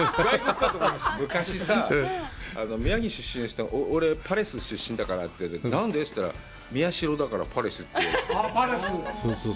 昔さあ、宮城出身の人、俺パレスだからって、なんで？って言ったら、宮城だからパレスって。